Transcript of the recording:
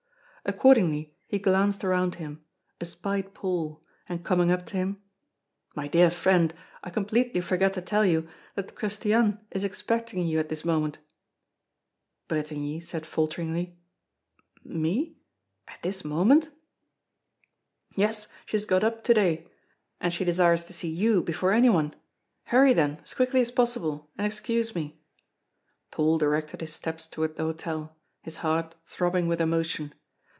Accordingly he glanced around him, espied Paul, and coming up to him: "My dear friend, I completely forgot to tell you that Christiane is expecting you at this moment." Bretigny said falteringly: "Me at this moment?" "Yes, she has got up to day; and she desires to see you before anyone. Hurry then as quickly as possible, and excuse me." Paul directed his steps toward the hotel, his heart throbbing with emotion.